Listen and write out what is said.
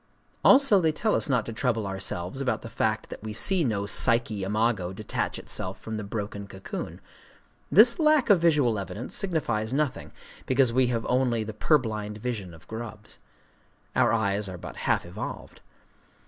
Also they tell us not to trouble ourselves about the fact that we see no Psyché imago detach itself from the broken cocoon: this lack of visual evidence signifies nothing, because we have only the purblind vision of grubs. Our eyes are but half evolved.